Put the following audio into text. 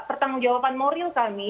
pertanggung jawaban moral kami